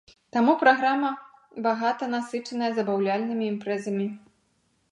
Таму праграма багата насычаная забаўляльнымі імпрэзамі.